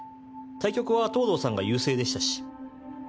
対局は藤堂さんが優勢でしたし。